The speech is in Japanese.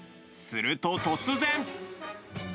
すると、突然。